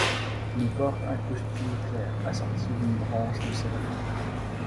Il porte un costume clair assorti d'une branche de céleri.